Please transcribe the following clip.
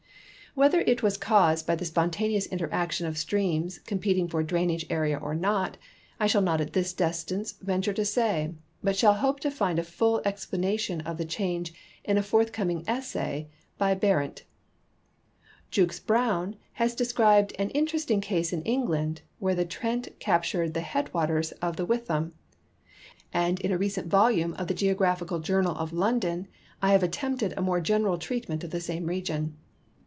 Whether it was caused by the spontaneous interaction of streams com peting for drainage area or not, I shall not at this distance ven ture to say, but shall hope to find a full explanation of the change in a forthcoming essay by Berendt. Jukes Brown has described an interesting case in England, where the Trent cap tured the headwaters of the Wytham, and in a recent volume of the Geographical Journal of London I have attempted a more general treatment of the same region.